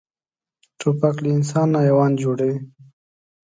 توپک له انسان نه حیوان جوړوي.